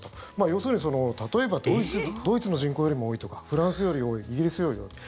要するに、例えばドイツの人口よりも多いとかフランスより多いイギリスより多い。